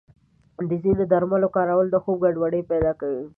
د ځینو درملو کارول د خوب ګډوډي پیدا کوي.